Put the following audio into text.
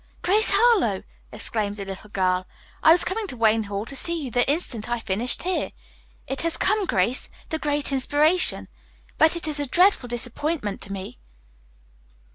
"Grace Harlowe!" exclaimed the little girl. "I was coming to Wayne Hall to see you the instant I finished here. It has come, Grace! The great inspiration! But it is a dreadful disappointment to me."